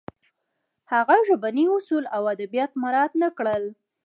هغه ژبني اصول او ادبیات مراعت نه کړل